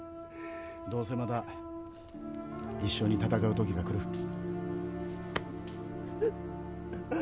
どうせまた一緒に戦う時がくる。